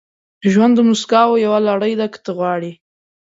• ژوند د موسکاو یوه لړۍ ده، که ته وغواړې.